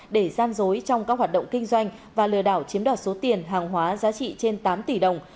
để gian dối trong các hoạt động kinh doanh và lừa đảo chiếm đoạt số tiền hàng hóa giá trị trên tám tỷ đồng